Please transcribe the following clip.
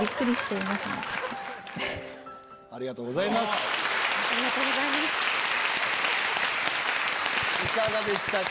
いかがでしたか？